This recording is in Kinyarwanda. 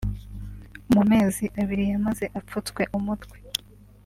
mu mezi abiri yamaze apfutswe umutwe